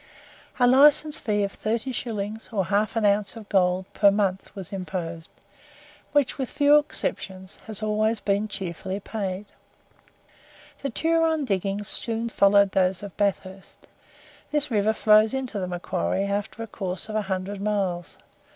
A licence fee of 30s., or half an ounce of gold, per month was imposed, which, with few exceptions, has always been cheerfully paid. The Turon diggings soon followed those of Bathurst. This river flows into the Macquarie after a course of a hundred miles.